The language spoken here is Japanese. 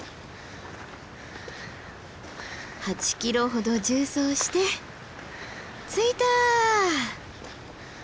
８ｋｍほど縦走して着いた。